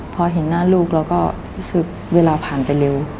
พอเห็นหน้าลูกเราก็รู้สึกเวลาผ่านไปเร็ว